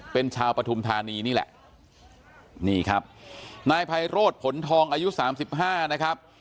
เป็นชาวปฐุมธานีนี่แหละนี่ครับนายพัยโรธผลทองอายุ๓๕นะครับ